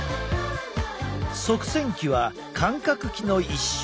側線器は感覚器の一種。